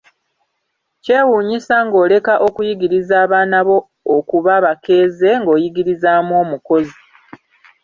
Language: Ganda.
Kyewuunyisa ng'oleka okuyigiriza abaana bo okuba abakeeze n'oyigirizaamu omukozi.